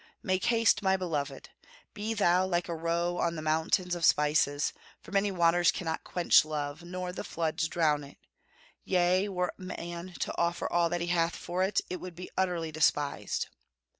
Make haste, my beloved! Be thou like a roe on the mountains of spices, for many waters cannot quench love, nor the floods drown it; yea, were a man to offer all that he hath for it, it would be utterly despised."